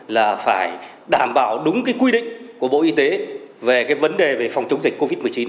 là phải đảm bảo đúng quy định của bộ y tế về vấn đề phòng chống dịch covid một mươi chín